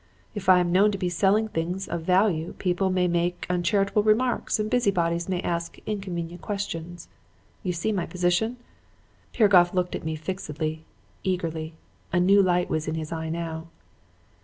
If I am known to be selling things of value, people may make uncharitable remarks and busy bodies may ask inconvenient questions. You see my position?' Piragoff looked at me fixedly, eagerly. A new light was in his eye now.